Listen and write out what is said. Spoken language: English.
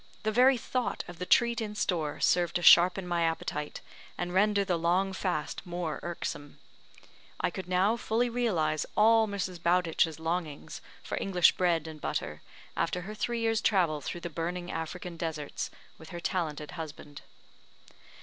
The very thought of the treat in store served to sharpen my appetite, and render the long fast more irksome. I could now fully realise all Mrs. Bowdich's longings for English bread and butter, after her three years' travel through the burning African deserts, with her talented husband.